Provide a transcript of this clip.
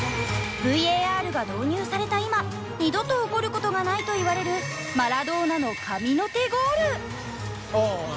ＶＡＲが導入された今二度と起こることがないといわれるマラドーナの神の手ゴール。